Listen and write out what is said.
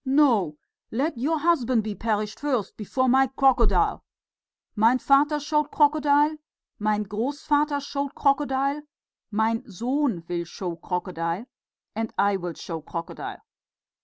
"No! let your husband be perished first, before my crocodile!... Mein Vater showed crocodile, mein Grossvater showed crocodile, mein Sohn will show crocodile, and I will show crocodile!